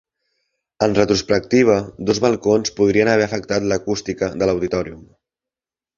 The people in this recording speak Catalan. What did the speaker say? En retrospectiva, dos balcons podrien haver afectat l'acústica de l'Auditorium.